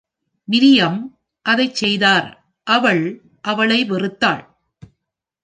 மிரியம் அதைச் செய்தார், அவள் அவளை வெறுத்தாள்.